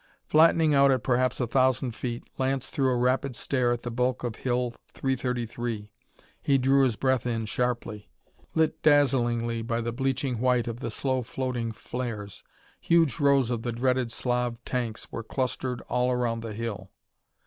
Flattening out at perhaps a thousand feet, Lance threw a rapid stare at the bulk of Hill 333. He drew his breath in sharply. Lit dazzlingly by the bleaching white of the slow floating flares, huge rows of the dreaded Slav tanks were clustered all around the hill!